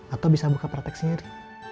atau bisa buka pratek sendiri